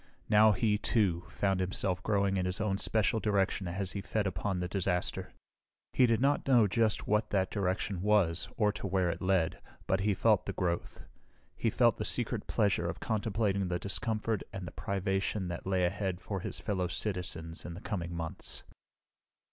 Now, he, too, found himself growing in his own special direction as he fed upon the disaster. He did not know just what that direction was or to where it led, but he felt the growth. He felt the secret pleasure of contemplating the discomfort and the privation that lay ahead for his fellow citizens in the coming months.